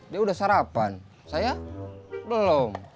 dia udah sarapan saya belum